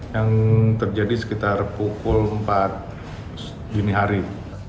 yang terjadi sekitar pukul empat dini hari